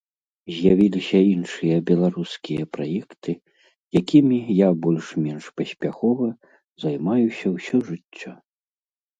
З'явіліся іншыя беларускія праекты, якімі я больш-менш паспяхова займаюся ўсё жыццё.